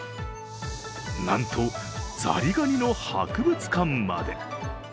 なんと、ザリガニの博物館まで。